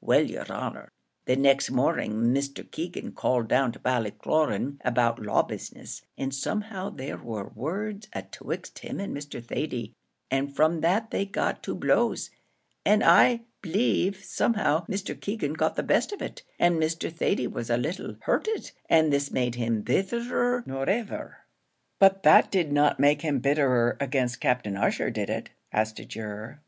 Well, yer honour, the next morning Mr. Keegan called down to Ballycloran about law business, and somehow there war words atwixt him and Mr. Thady, and from that they got to blows, and I b'lieve somehow Mr. Keegan got the best of it, and Mr. Thady was a little hurted, and this made him bittherer nor iver." "But that did not make him bitterer against Captain Ussher, did it?" asked a juror.